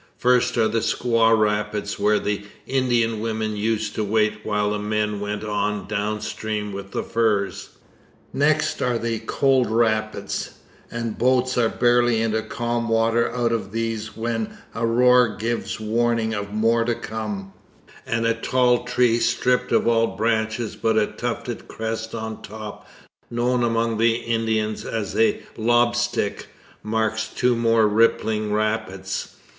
First are the Squaw Rapids, where the Indian women used to wait while the men went on down stream with the furs. Next are the Cold Rapids, and boats are barely into calm water out of these when a roar gives warning of more to come, and a tall tree stripped of all branches but a tufted crest on top known among Indians as a 'lob stick, marks two more rippling rapids.